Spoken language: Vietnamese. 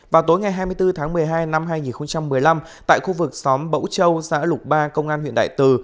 vào tối ngày hai mươi bốn tháng một mươi hai năm hai nghìn một mươi năm tại khu vực xóm bẫu châu xã lục ba công an huyện đại từ